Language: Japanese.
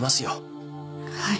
はい